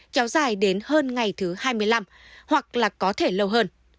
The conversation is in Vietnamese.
kéo dài đến hơn ngày thứ hai mươi năm hoặc là có thể lâu hơn